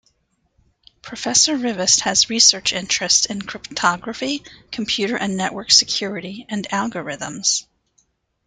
Professor Rivest has research interests in cryptography, computer and network security, and algorithms.